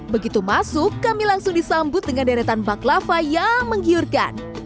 begitu masuk kami langsung disambut dengan deretan baklava yang menggiurkan